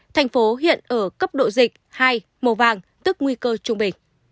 thành phố hiện ở cấp độ dịch hai màu vàng tức nguy cơ trung bình